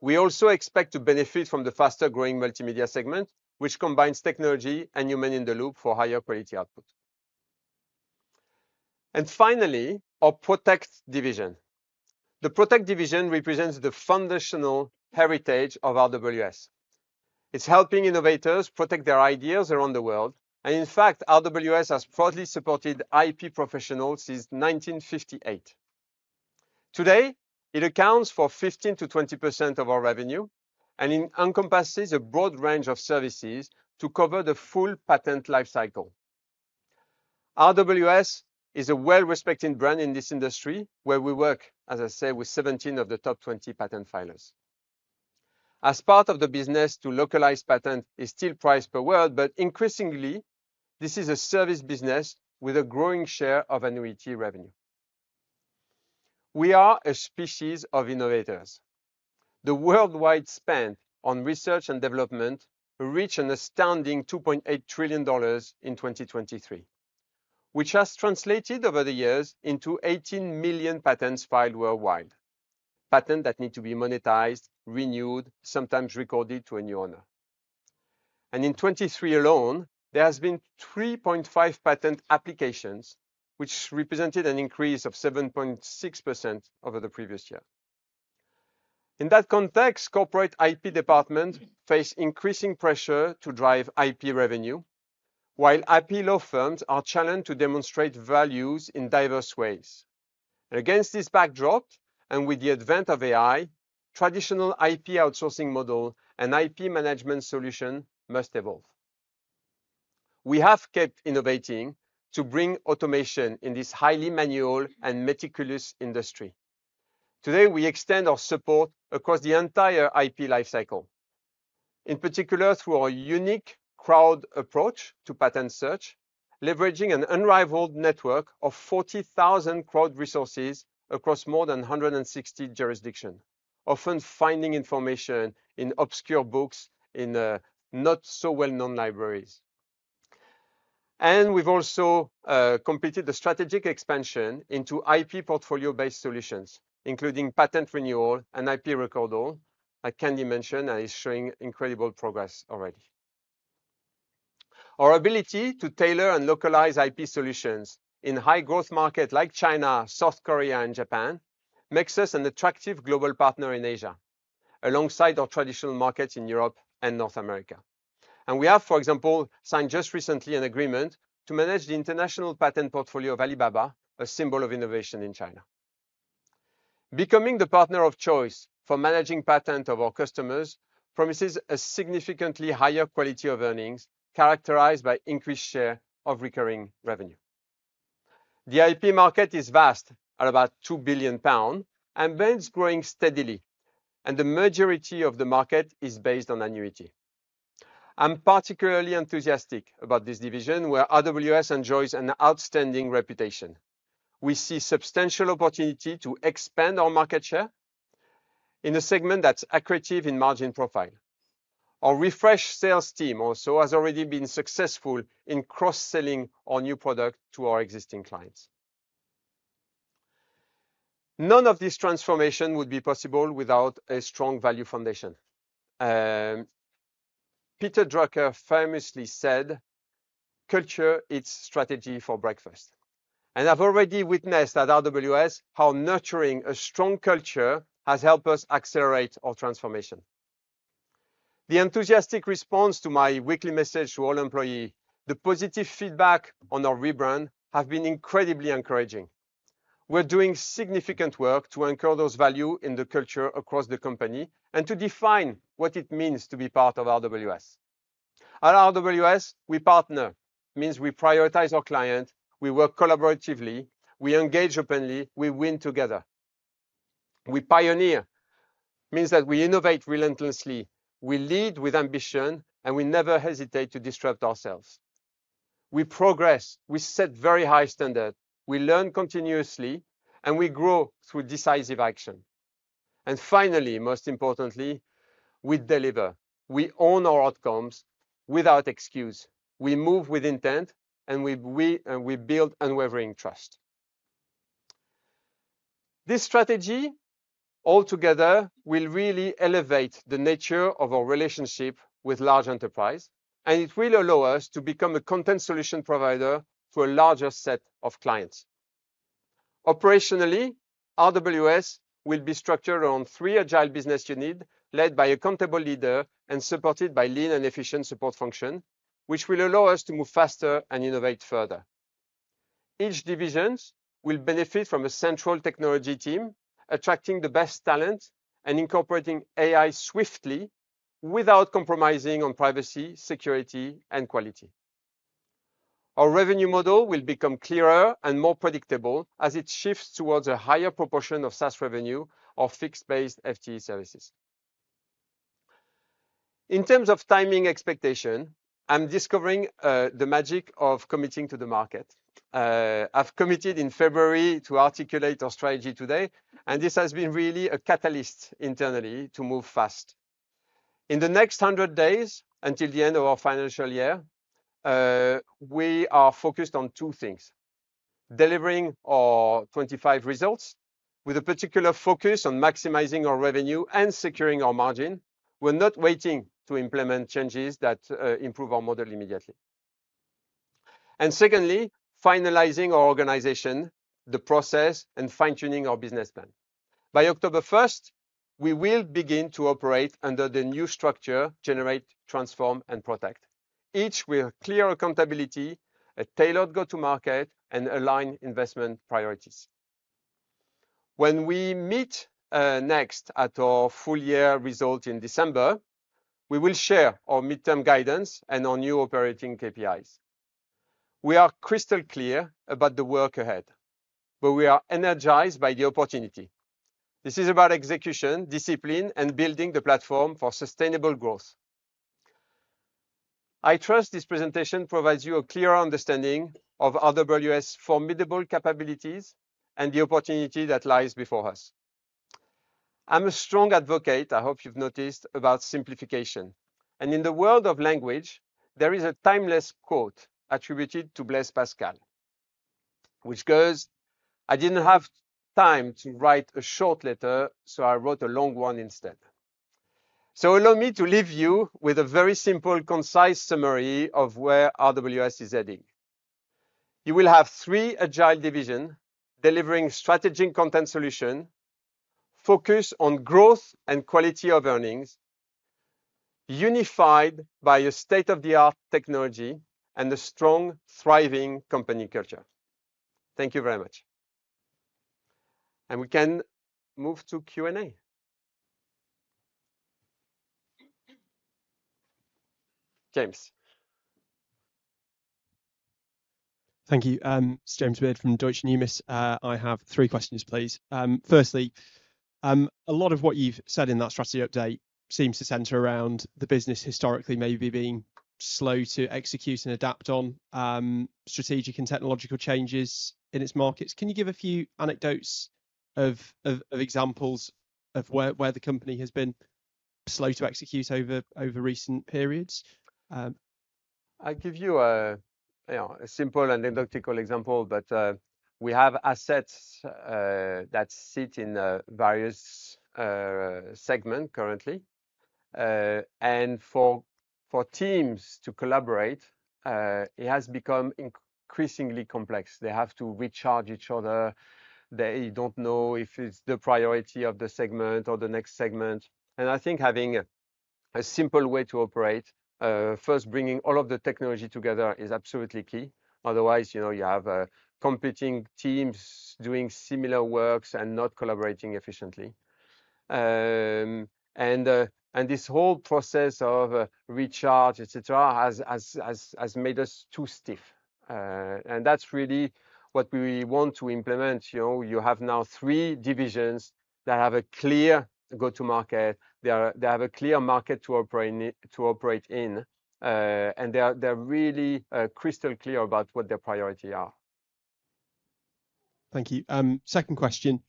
We also expect to benefit from the faster-growing multimedia segment, which combines technology and human-in-the-loop for higher quality output. Finally, our Protect division. The Protect division represents the foundational heritage of RWS. It is helping innovators protect their ideas around the world. In fact, RWS has proudly supported IP professionals since 1958. Today, it accounts for 15%-20% of our revenue and encompasses a broad range of services to cover the full patent lifecycle. RWS is a well-respected brand in this industry where we work, as I say, with 17 of the top 20 patent filers. As part of the business, localized patents are still priced per word, but increasingly, this is a service business with a growing share of annuity revenue. We are a species of innovators. The worldwide spend on research and development reached an astounding $2.8 trillion in 2023, which has translated over the years into 18 million patents filed worldwide, patents that need to be monetized, renewed, sometimes recorded to a new owner. In 2023 alone, there have been 3.5 million patent applications, which represented an increase of 7.6% over the previous year. In that context, corporate IP departments face increasing pressure to drive IP revenue, while IP law firms are challenged to demonstrate value in diverse ways. Against this backdrop, and with the advent of AI, traditional IP outsourcing models and IP management solutions must evolve. We have kept innovating to bring automation in this highly manual and meticulous industry. Today, we extend our support across the entire IP lifecycle, in particular through our unique crowd approach to patent search, leveraging an unrivaled network of 40,000 crowd resources across more than 160 jurisdictions, often finding information in obscure books in not-so-well-known libraries. We have also completed the strategic expansion into IP portfolio-based solutions, including patent renewal and IP recording, like Candy mentioned, and it is showing incredible progress already. Our ability to tailor and localize IP solutions in high-growth markets like China, South Korea, and Japan makes us an attractive global partner in Asia, alongside our traditional markets in Europe and North America. For example, we have just recently signed an agreement to manage the international patent portfolio of Alibaba, a symbol of innovation in China. Becoming the partner of choice for managing patents of our customers promises a significantly higher quality of earnings characterized by an increased share of recurring revenue. The IP market is vast, at about 2 billion pounds, and remains growing steadily, and the majority of the market is based on annuity. I'm particularly enthusiastic about this division, where RWS enjoys an outstanding reputation. We see substantial opportunity to expand our market share in a segment that's accurate in margin profile. Our refreshed sales team also has already been successful in cross-selling our new product to our existing clients. None of this transformation would be possible without a strong value foundation. Peter Drucker famously said, "Culture is strategy for breakfast." I've already witnessed at RWS how nurturing a strong culture has helped us accelerate our transformation. The enthusiastic response to my weekly message to all employees, the positive feedback on our rebrand, has been incredibly encouraging. We're doing significant work to anchor those values in the culture across the company and to define what it means to be part of RWS. At RWS, we partner; it means we prioritize our clients, we work collaboratively, we engage openly, we win together. We pioneer; it means that we innovate relentlessly, we lead with ambition, and we never hesitate to disrupt ourselves. We progress; we set very high standards, we learn continuously, and we grow through decisive action. Finally, most importantly, we deliver; we own our outcomes without excuses, we move with intent, and we build unwavering trust. This strategy, altogether, will really elevate the nature of our relationship with large enterprises, and it will allow us to become a content solution provider for a larger set of clients. Operationally, RWS will be structured around three agile business units led by an accountable leader and supported by a lean and efficient support function, which will allow us to move faster and innovate further. Each division will benefit from a central technology team, attracting the best talent and incorporating AI swiftly without compromising on privacy, security, and quality. Our revenue model will become clearer and more predictable as it shifts towards a higher proportion of SaaS revenue or fixed-based FTE services. In terms of timing expectation, I'm discovering the magic of committing to the market. I've committed in February to articulate our strategy today, and this has been really a catalyst internally to move fast. In the next 100 days until the end of our financial year, we are focused on two things: delivering our 2025 results with a particular focus on maximizing our revenue and securing our margin. We're not waiting to implement changes that improve our model immediately. Secondly, finalizing our organization, the process, and fine-tuning our business plan. By October 1, we will begin to operate under the new structure: generate, transform, and protect, each with clear accountability, a tailored go-to-market, and aligned investment priorities. When we meet next at our full-year result in December, we will share our midterm guidance and our new operating KPIs. We are crystal clear about the work ahead, but we are energized by the opportunity. This is about execution, discipline, and building the platform for sustainable growth. I trust this presentation provides you a clearer understanding of RWS's formidable capabilities and the opportunity that lies before us. I'm a strong advocate, I hope you've noticed, about simplification. In the world of language, there is a timeless quote attributed to Blaise Pascal, which goes, "I didn't have time to write a short letter, so I wrote a long one instead." Allow me to leave you with a very simple, concise summary of where RWS is heading. You will have three agile divisions delivering strategic content solutions focused on growth and quality of earnings, unified by a state-of-the-art technology and a strong, thriving company culture. Thank you very much. We can move to Q&A. James. Thank you. It's James Beard from Deutsche Numis. I have three questions, please. Firstly, a lot of what you've said in that strategy update seems to center around the business historically maybe being slow to execute and adapt on strategic and technological changes in its markets. Can you give a few anecdotes of examples of where the company has been slow to execute over recent periods? I'll give you a simple and anecdotal example, but we have assets that sit in various segments currently. For teams to collaborate, it has become increasingly complex. They have to recharge each other. They do not know if it is the priority of the segment or the next segment. I think having a simple way to operate, first bringing all of the technology together, is absolutely key. Otherwise, you have competing teams doing similar works and not collaborating efficiently. This whole process of recharge, etc., has made us too stiff. That's really what we want to implement. You have now three divisions that have a clear go-to-market. They have a clear market to operate in, and they're really crystal clear about what their priorities are. Thank you. Second question.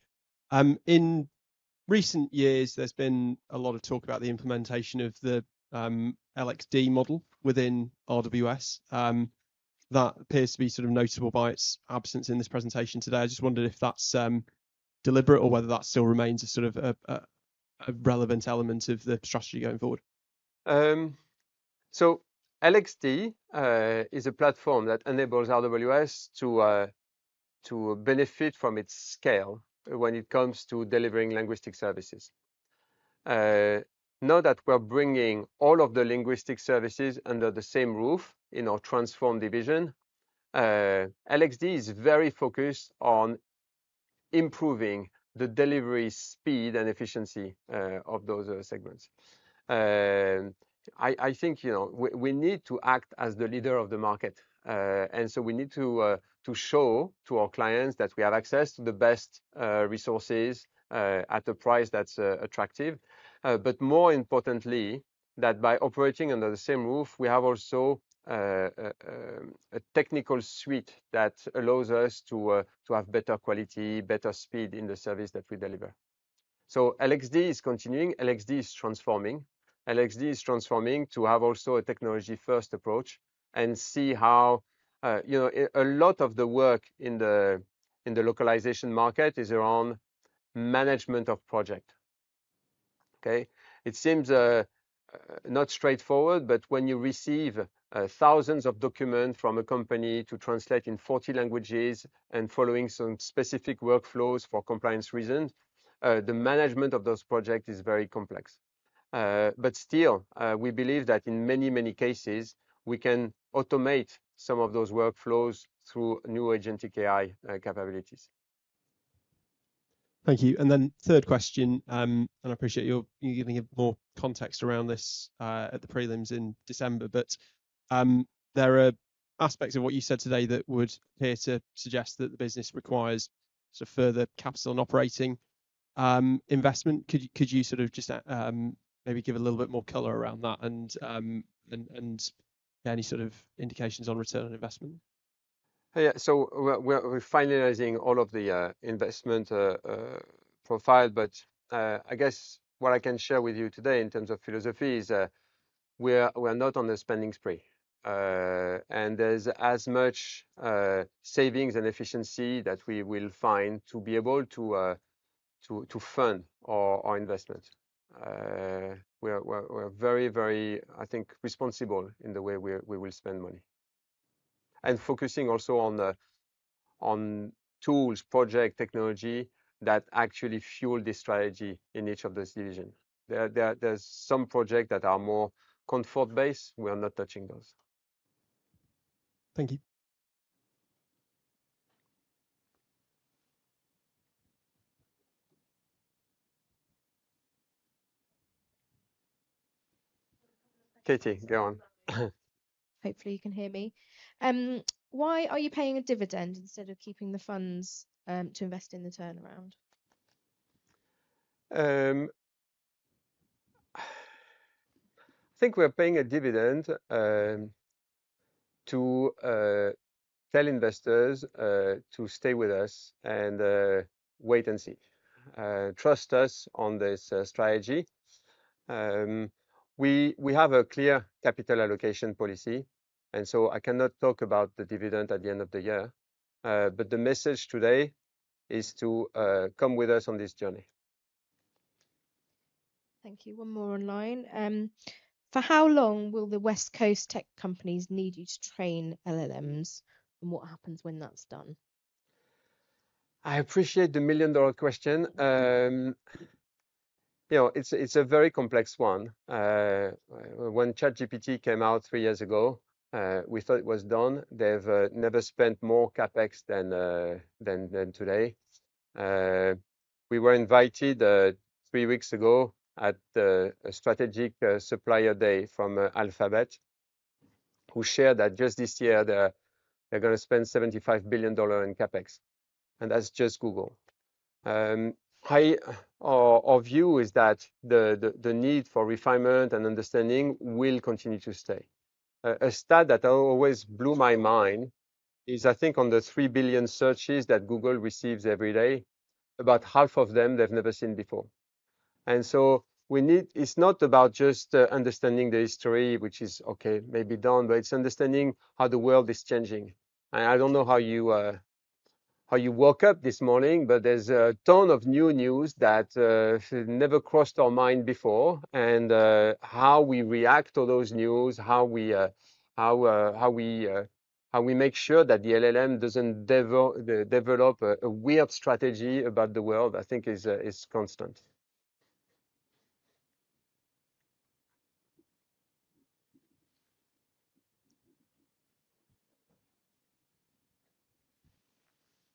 In recent years, there's been a lot of talk about the implementation of the LXD model within RWS. That appears to be sort of notable by its absence in this presentation today. I just wondered if that's deliberate or whether that still remains a sort of a relevant element of the strategy going forward. LXD is a platform that enables RWS to benefit from its scale when it comes to delivering linguistic services. Now that we're bringing all of the linguistic services under the same roof in our transformed division, LXD is very focused on improving the delivery speed and efficiency of those segments. I think we need to act as the leader of the market. We need to show to our clients that we have access to the best resources at a price that's attractive. More importantly, by operating under the same roof, we also have a technical suite that allows us to have better quality, better speed in the service that we deliver. LXD is continuing. LXD is transforming. LXD is transforming to have also a technology-first approach and see how a lot of the work in the localization market is around management of projects. It seems not straightforward, but when you receive thousands of documents from a company to translate in 40 languages and following some specific workflows for compliance reasons, the management of those projects is very complex. Still, we believe that in many, many cases, we can automate some of those workflows through new agentic AI capabilities. Thank you. The third question, and I appreciate you're giving more context around this at the prelims in December, but there are aspects of what you said today that would appear to suggest that the business requires sort of further capital and operating investment. Could you just maybe give a little bit more color around that and any indications on return on investment? Yeah, we're finalizing all of the investment profile, but I guess what I can share with you today in terms of philosophy is we're not on a spending spree. There's as much savings and efficiency that we will find to be able to fund our investment. We're very, very, I think, responsible in the way we will spend money and focusing also on tools, projects, technology that actually fuel this strategy in each of those divisions. There are some projects that are more comfort-based. We're not touching those. Thank you. Katie, go on. Hopefully, you can hear me. Why are you paying a dividend instead of keeping the funds to invest in the turnaround? I think we're paying a dividend to tell investors to stay with us and wait and see. Trust us on this strategy. We have a clear capital allocation policy, and so I cannot talk about the dividend at the end of the year. The message today is to come with us on this journey. Thank you. One more online. For how long will the West Coast tech companies need you to train LLMs? And what happens when that's done? I appreciate the million-dollar question. It's a very complex one. When ChatGPT came out three years ago, we thought it was done. They've never spent more CapEx than today. We were invited three weeks ago at a strategic supplier day from Alphabet, who shared that just this year, they're going to spend $75 billion in CapEx. That's just Google. Our view is that the need for refinement and understanding will continue to stay. A stat that always blew my mind is, I think, on the 3 billion searches that Google receives every day, about half of them they've never seen before. We need, it's not about just understanding the history, which is, okay, maybe done, but it's understanding how the world is changing. I don't know how you woke up this morning, but there's a ton of new news that never crossed our mind before. How we react to those news, how we make sure that the LLM doesn't develop a weird strategy about the world, I think, is constant.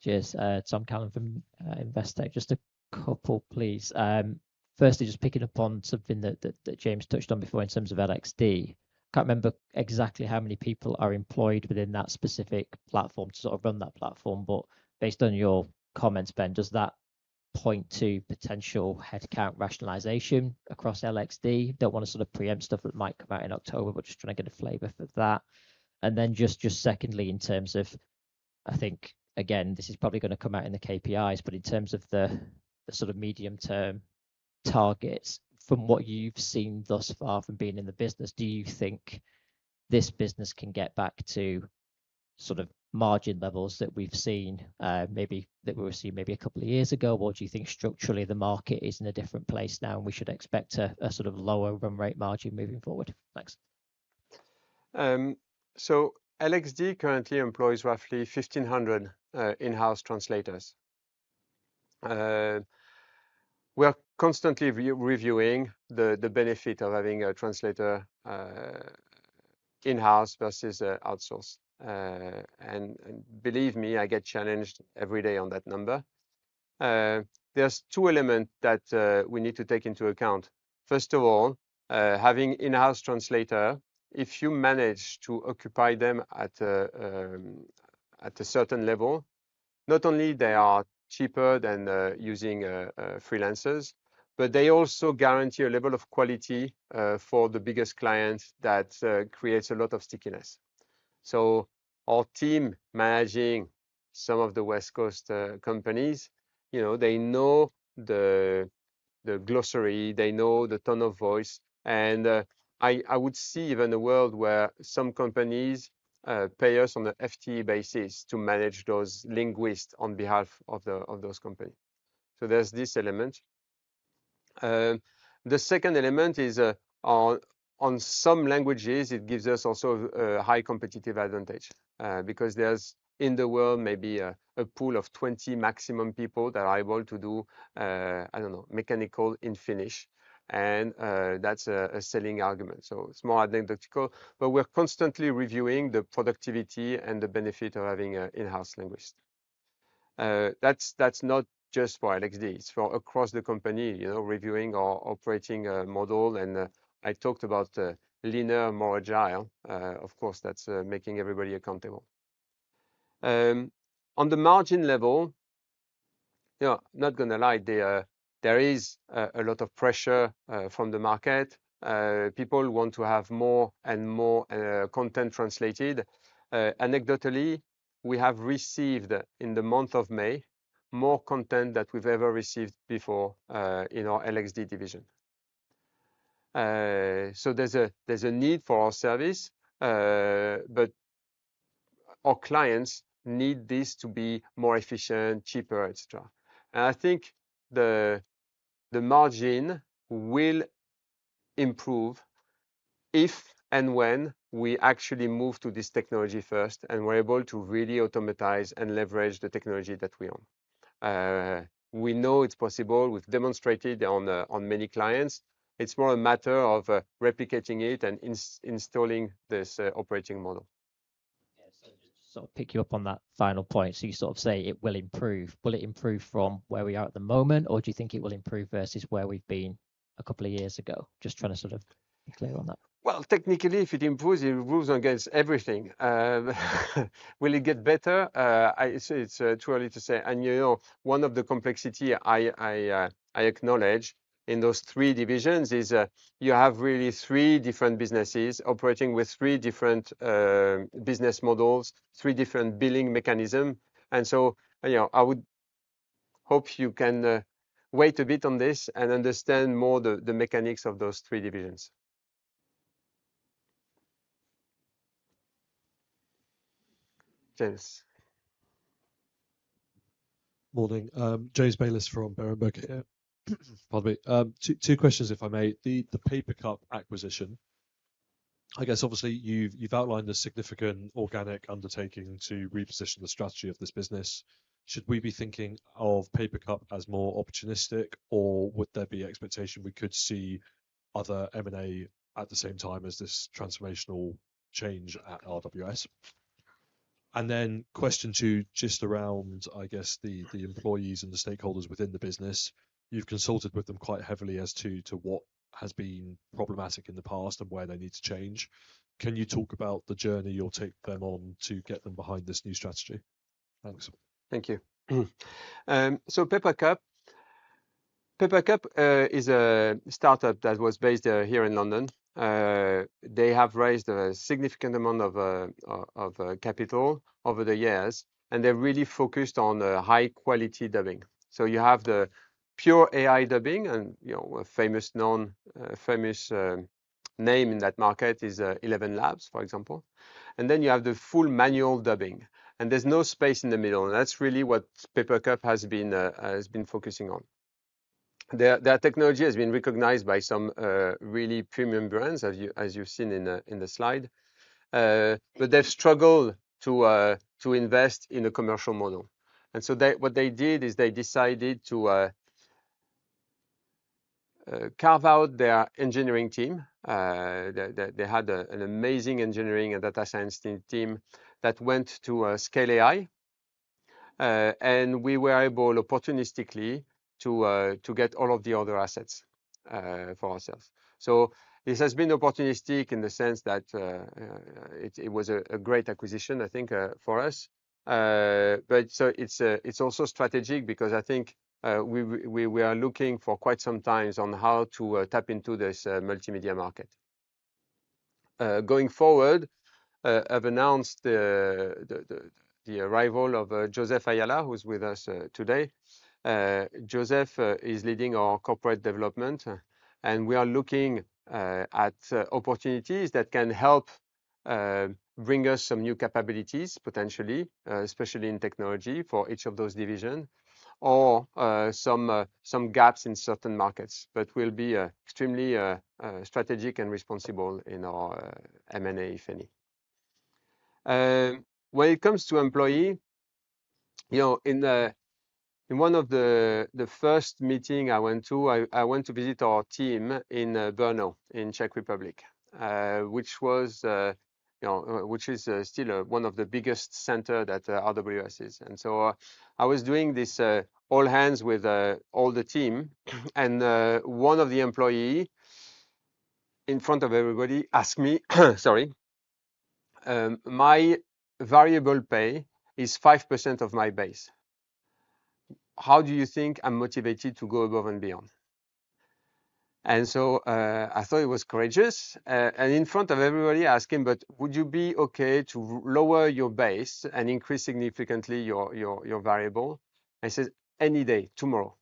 Cheers. Tom Cowan from Investec. Just a couple, please. Firstly, just picking up on something that James touched on before in terms of LXD. I can't remember exactly how many people are employed within that specific platform to sort of run that platform. But based on your comments, Ben, does that point to potential headcount rationalization across LXD? Don't want to sort of preempt stuff that might come out in October, but just trying to get a flavor for that. Just secondly, in terms of, I think, again, this is probably going to come out in the KPIs, but in terms of the sort of medium-term targets, from what you've seen thus far from being in the business, do you think this business can get back to sort of margin levels that we've seen, maybe that we were seeing maybe a couple of years ago? Or do you think structurally the market is in a different place now and we should expect a sort of lower run rate margin moving forward? Thanks. LXD currently employs roughly 1,500 in-house translators. We're constantly reviewing the benefit of having a translator in-house versus outsourced. And believe me, I get challenged every day on that number. There's two elements that we need to take into account. First of all, having in-house translators, if you manage to occupy them at a certain level, not only are they cheaper than using freelancers, but they also guarantee a level of quality for the biggest clients that creates a lot of stickiness. Our team managing some of the West Coast companies, they know the glossary, they know the tone of voice. I would see even a world where some companies pay us on an FTE basis to manage those linguists on behalf of those companies. There is this element. The second element is on some languages, it gives us also a high competitive advantage because there is in the world maybe a pool of 20 maximum people that are able to do, I do not know, mechanical in Finnish. That is a selling argument. It is more anecdotal. We are constantly reviewing the productivity and the benefit of having an in-house linguist. That is not just for LXD. It is for across the company, reviewing or operating a model. I talked about leaner, more agile. Of course, that is making everybody accountable. On the margin level, not going to lie, there is a lot of pressure from the market. People want to have more and more content translated. Anecdotally, we have received in the month of May more content than we have ever received before in our LXD division. There is a need for our service, but our clients need this to be more efficient, cheaper, etc. I think the margin will improve if and when we actually move to this technology first and we are able to really automatize and leverage the technology that we own. We know it is possible. We have demonstrated on many clients. It's more a matter of replicating it and installing this operating model. So, pick you up on that final point. You sort of say it will improve. Will it improve from where we are at the moment, or do you think it will improve versus where we've been a couple of years ago? Just trying to sort of be clear on that. Technically, if it improves, it improves against everything. Will it get better? It's too early to say. One of the complexities I acknowledge in those three divisions is you have really three different businesses operating with three different business models, three different billing mechanisms. I would hope you can wait a bit on this and understand more the mechanics of those three divisions. James. Morning. James Bayliss from Berenberg. Pardon me. Two questions, if I may. The Papercup acquisition. I guess, obviously, you've outlined a significant organic undertaking to reposition the strategy of this business. Should we be thinking of Papercup as more opportunistic, or would there be expectation we could see other M&A at the same time as this transformational change at RWS? Question two, just around, I guess, the employees and the stakeholders within the business. You've consulted with them quite heavily as to what has been problematic in the past and where they need to change. Can you talk about the journey you'll take them on to get them behind this new strategy? Thanks. Thank you. Papercup. Papercup is a startup that was based here in London. They have raised a significant amount of capital over the years, and they're really focused on high-quality dubbing. You have the pure AI dubbing, and a famous name in that market is 11 Labs, for example. You have the full manual dubbing. There is no space in the middle. That is really what Papercup has been focusing on. Their technology has been recognized by some really premium brands, as you have seen in the slide. They have struggled to invest in a commercial model. What they did is they decided to carve out their engineering team. They had an amazing engineering and data science team that went to Scale AI. We were able opportunistically to get all of the other assets for ourselves. This has been opportunistic in the sense that it was a great acquisition, I think, for us. It is also strategic because I think we are looking for quite some time on how to tap into this multimedia market. Going forward, I have announced the arrival of Joseph Ayala, who is with us today. Joseph is leading our corporate development, and we are looking at opportunities that can help bring us some new capabilities, potentially, especially in technology for each of those divisions, or some gaps in certain markets. We will be extremely strategic and responsible in our M&A, if any. When it comes to employee, in one of the first meetings I went to, I went to visit our team in Brno in Czech Republic, which is still one of the biggest centers that RWS is. I was doing this all hands with all the team. One of the employees, in front of everybody, asked me, "Sorry, my variable pay is 5% of my base. How do you think I'm motivated to go above and beyond?" I thought it was courageous. In front of everybody, I asked him, "Would you be okay to lower your base and increase significantly your variable?" He said, "Any day, tomorrow."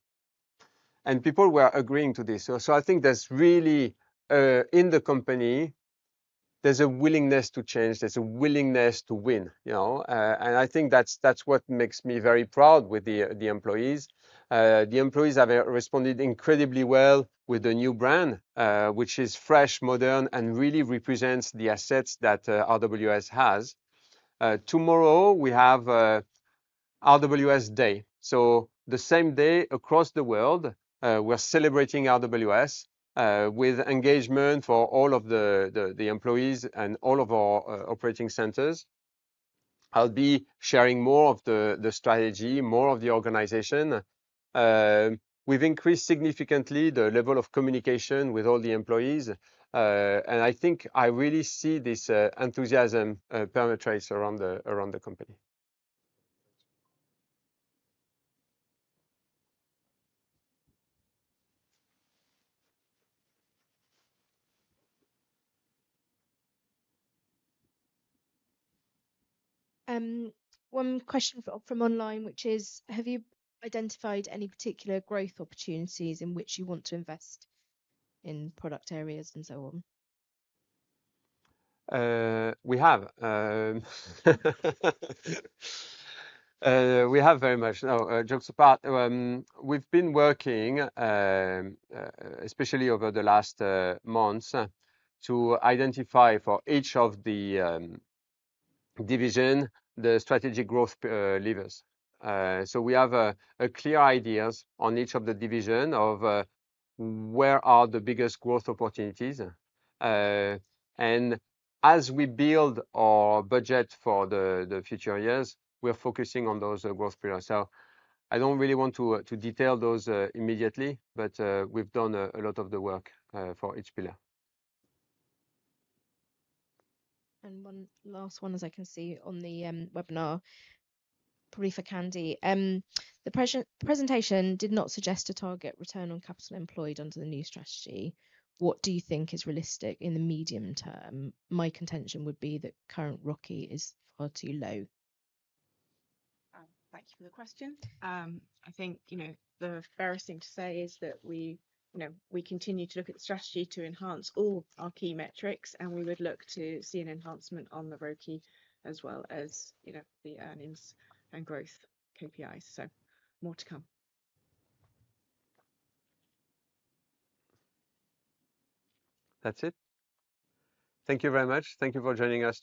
People were agreeing to this. I think that's really, in the company, there's a willingness to change. There's a willingness to win. I think that's what makes me very proud with the employees. The employees have responded incredibly well with the new brand, which is fresh, modern, and really represents the assets that RWS has. Tomorrow, we have RWS Day. The same day across the world, we're celebrating RWS with engagement for all of the employees and all of our operating centers. I'll be sharing more of the strategy, more of the organization. We've increased significantly the level of communication with all the employees. I think I really see this enthusiasm perpetrated around the company. One question from online, which is, have you identified any particular growth opportunities in which you want to invest in product areas and so on? We have. We have very much. No, jokes apart. We've been working, especially over the last months, to identify for each of the divisions the strategic growth levers. We have clear ideas on each of the divisions of where are the biggest growth opportunities. As we build our budget for the future years, we're focusing on those growth pillars. I do not really want to detail those immediately, but we have done a lot of the work for each pillar. One last one, as I can see on the webinar, brief, Candy. The presentation did not suggest a target return on capital employed under the new strategy. What do you think is realistic in the medium term? My contention would be that current ROCI is far too low. Thank you for the question. I think the fairest thing to say is that we continue to look at the strategy to enhance all our key metrics, and we would look to see an enhancement on the ROCI as well as the earnings and growth KPIs. More to come. That is it. Thank you very much. Thank you for joining us.